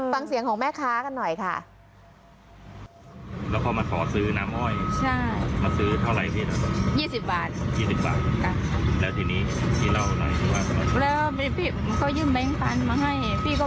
ฟังเสียงของแม่ค้ากันหน่อยค่ะแล้วพอมาขอซื้อน้ำห้อย